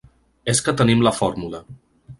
És que tenim la fórmula.